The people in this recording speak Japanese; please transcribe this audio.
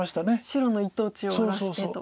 白の一等地を荒らしてと。